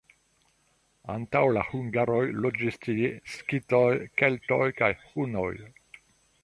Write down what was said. Antaŭ la hungaroj loĝis tie skitoj, keltoj kaj hunoj.